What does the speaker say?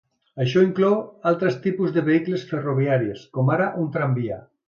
Això inclou altres tipus de vehicles ferroviaris, com ara un tramvia.